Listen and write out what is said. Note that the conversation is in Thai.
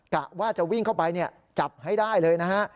กะว่าจะวิ่งเข้าไปจับให้ได้เลยนะฮะ